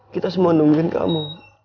kita semua nungguin kamu